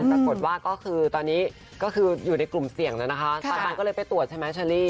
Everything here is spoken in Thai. ปรากฏว่าก็คือตอนนี้ก็คืออยู่ในกลุ่มเสี่ยงแล้วนะคะตอนนั้นก็เลยไปตรวจใช่ไหมเชอรี่